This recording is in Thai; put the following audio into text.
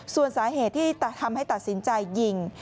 ส่วนสาเหตุที่ทำให้ตัดสินใจยิง